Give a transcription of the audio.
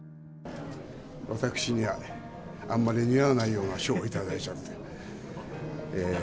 私には、あんまり似合わないような賞を頂いちゃって。